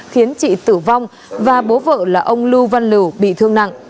khiến chị tử vong và bố vợ là ông lưu văn lưu bị thương nặng